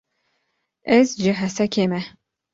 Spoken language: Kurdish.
Ez ji Hesekê me.